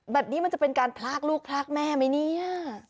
มันจะเป็นการพลากลูกพลากแม่ไหมเนี่ย